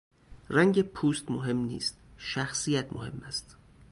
رنگ پوست مهم نیست، شخصیت مهم است.